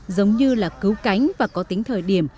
giống như là cứu cánh và có tính thời điểm